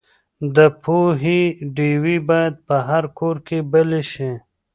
د پوهې ډیوې باید په هر کور کې بلې شي.